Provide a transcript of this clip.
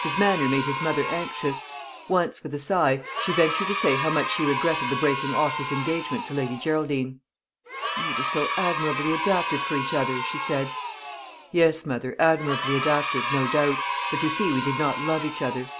His manner made his mother anxious. Once, with a sigh, she ventured to say how much she regretted the breaking off his engagement to Lady Geraldine. "You were so admirably adapted for each other," she said. "Yes, mother, admirably adapted, no doubt; but you see we did not love each other."